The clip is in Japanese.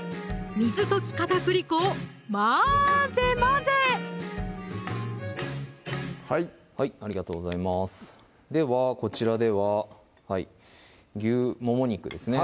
水溶き片栗粉を混ぜ混ぜはいはいありがとうございますではこちらでは牛もも肉ですね